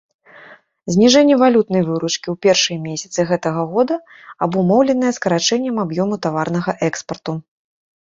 Зніжэнне валютнай выручкі ў першыя месяцы гэтага года абумоўленае скарачэннем аб'ёму таварнага экспарту.